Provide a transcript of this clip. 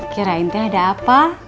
kirain teh ada apa